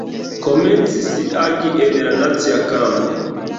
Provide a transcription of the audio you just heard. Komencis agi en la nacia kampo.